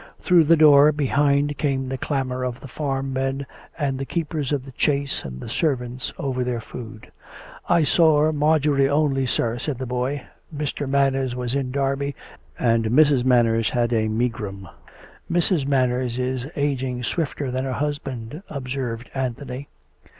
(Through the door behind came the clamour of the farm men and the keepers of the chase and the servants, over their food.) " I saw Marjorie only, sir," said the boy. " Mr. Manners was in Derby, and Mrs. Manners had a megrim." " Mrs. Manners is ageing swifter than her husband," observed Anthony.